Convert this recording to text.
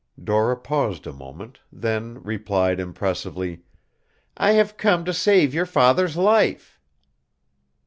Dora paused a moment, then replied, impressively, "I have come to save your father's life."